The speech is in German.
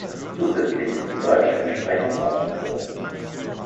Zusätzlich ist die deutsche Entsprechung aufgeführt.